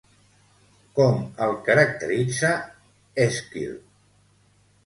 Com el caracteritza Èsquil?